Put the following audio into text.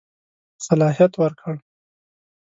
صلاحیت ورکړ.